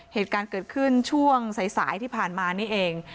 เหตุการณ์เกิดขึ้นช่วงสายที่ผ่านมานี่เอง